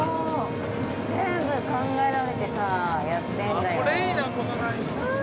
全部考えられてさやってんだよー。